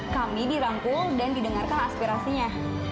kami dirangkul dan didengarkan aspirasinya